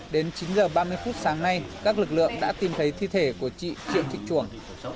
đến chín h ba mươi phút sáng nay các lực lượng đã tìm thấy thi thể của chị triệu thị chuồng